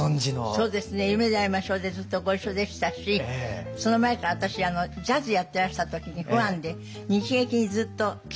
そうですね「夢であいましょう」でずっとご一緒でしたしその前から私ジャズやってらした時にファンで日劇にずっと聞きに行ってましたので。